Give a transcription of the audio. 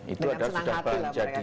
iya dengan senang hati